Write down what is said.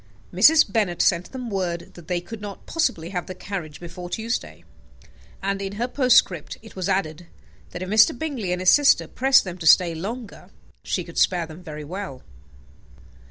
Mrs. Bennet sent them word that they could not possibly have the carriage before Tuesday; and in her postscript it was added, that if Mr. Bingley and his sister pressed them to stay longer, she could spare them very well.